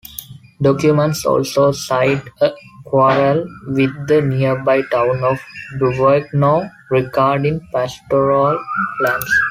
Documents also cite a quarrel with the nearby town of Bovegno regarding pastoral lands.